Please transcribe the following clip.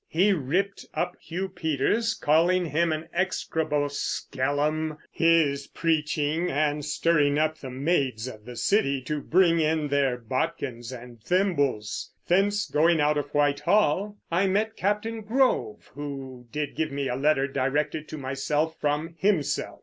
He ripped up Hugh Peters (calling him the execrable skellum), his preaching and stirring up the mayds of the city to bring in their bodkins and thimbles. Thence going out of White Hall, I met Captain Grove, who did give me a letter directed to myself from himself.